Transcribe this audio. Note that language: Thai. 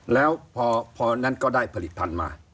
แล้วพอนั้นก็ได้ผลิตภัณฑ์มา